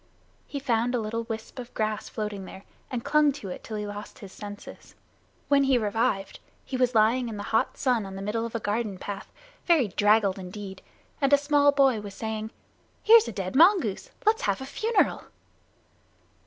He found a little wisp of grass floating there, and clung to it till he lost his senses. When he revived, he was lying in the hot sun on the middle of a garden path, very draggled indeed, and a small boy was saying, "Here's a dead mongoose. Let's have a funeral."